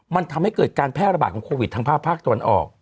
มันทำให้เกิดการแพร่ระบาดของโควิดทางภาคภาคตะวันออก